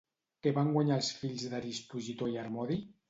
Què van guanyar els fills d'Aristogitó i Harmodi?